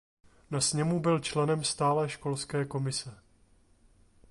Na sněmu byl členem stále školské komise.